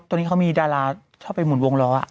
ตอนนี้เขามีดาราชอบไปหมุนวงล้อ